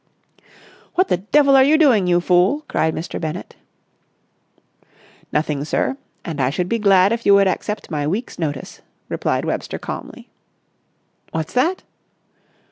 "What the devil are you doing, you fool?" cried Mr. Bennett. "Nothing, sir. And I should be glad if you would accept my week's notice," replied Webster calmly. "What's that?"